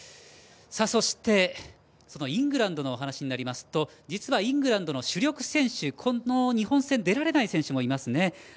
そして、イングランドのお話になりますと、実はイングランドの主力選手日本戦に出られない選手もいます。